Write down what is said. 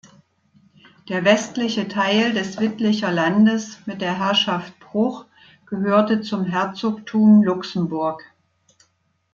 Der westliche Teil des Wittlicher Landes mit der Herrschaft Bruch gehörte zum Herzogtum Luxemburg.